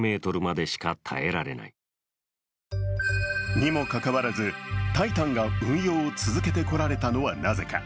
にもかかわらず「タイタン」が運用を続けてこられたのはなぜか。